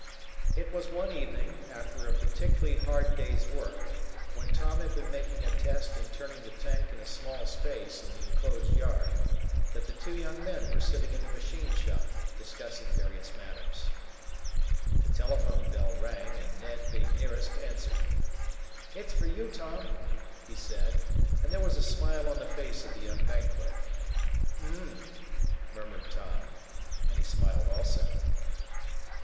It was one evening, after a particularly hard day's work, when Tom had been making a test in turning the tank in a small space in the enclosed yard, that the two young men were sitting in the machine shop, discussing various matters. The telephone bell rang, and Ned, being nearest, answered. "It's for you, Tom," he said, and there was a smile on the face of the young bank clerk. "Um!" murmured Tom, and he smiled also.